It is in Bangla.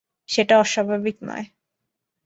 সেটা অস্বাভাবিক নয়।